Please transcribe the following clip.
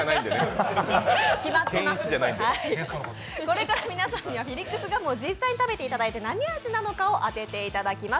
これから皆さんにはフィリックスガムを実際に食べていただいて何味なのか答えていただきます。